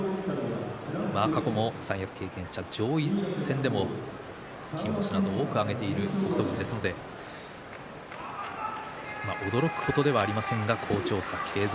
過去三役経験者上位戦でも金星など多くを挙げている北勝富士ですので驚くことではないですが好調さ継続。